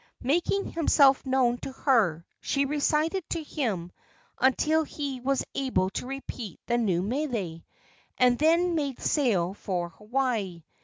Making himself known to her, she recited to him until he was able to repeat the new mele, and then made sail for Hawaii.